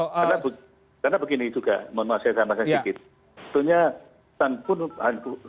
karena begini juga mohon maaf saya sampaikan sedikit